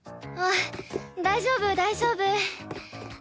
あっ大丈夫大丈夫。